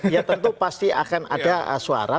ya tentu pasti akan ada suara